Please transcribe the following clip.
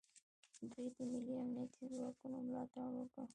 دوی د ملي امنیتي ځواکونو ملاتړ وکړ